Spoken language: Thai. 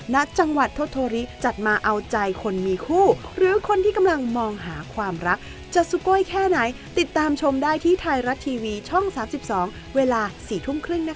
ณจังหวัดทศโทริจัดมาเอาใจคนมีคู่หรือคนที่กำลังมองหาความรักจะสุโกยแค่ไหนติดตามชมได้ที่ไทยรัฐทีวีช่อง๓๒เวลา๔ทุ่มครึ่งนะคะ